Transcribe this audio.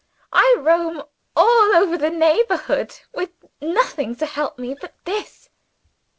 I roam all over the neighborhood, with nothing to help me but this."